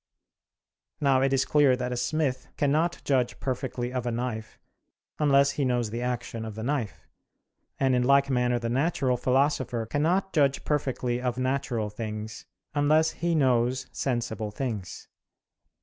Now it is clear that a smith cannot judge perfectly of a knife unless he knows the action of the knife: and in like manner the natural philosopher cannot judge perfectly of natural things, unless he knows sensible things.